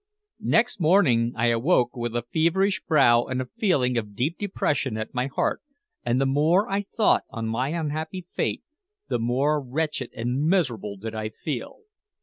Next morning I awoke with a feverish brow and a feeling of deep depression at my heart; and the more I thought on my unhappy fate, the more wretched and miserable did I feel.